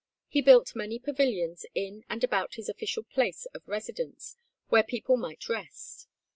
He built many pavilions in and about his official place of residence, where people might rest.